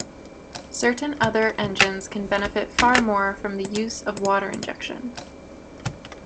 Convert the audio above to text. Certain other engines can benefit far more from the use of water injection.